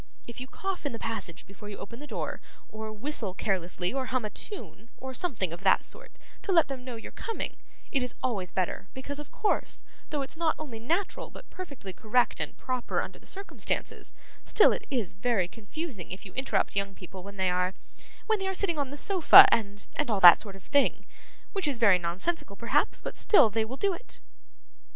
If you cough in the passage before you open the door, or whistle carelessly, or hum a tune, or something of that sort, to let them know you're coming, it's always better; because, of course, though it's not only natural but perfectly correct and proper under the circumstances, still it is very confusing if you interrupt young people when they are when they are sitting on the sofa, and and all that sort of thing: which is very nonsensical, perhaps, but still they will do it.